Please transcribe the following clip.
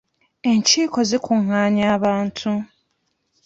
Enkiiko zikungaanya abantu.